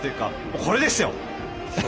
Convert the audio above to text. これですよ。